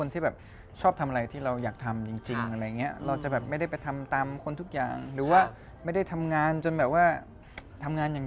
ที่บอกว่าโลกส่วนตัวสูงก็อย่างเช่นเลี้ยงอะไรนะ